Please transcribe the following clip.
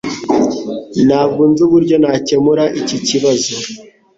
Ntabwo nzi uburyo nakemura iki kibazo.